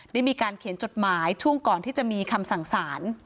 ได้มีการเขียนจดหมายช่วงก่อนที่จะมีคำสั่งสาร